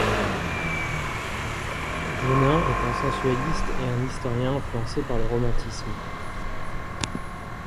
Génin est un sensualiste et un historien influencé par le romantisme.